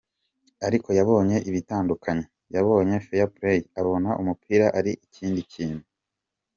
Ariko yabonye ibitandukanye, yabonye Fair Play abona ko umupira ari ikindi kintu.